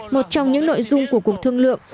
một trong những nội dung của cuộc thương lượng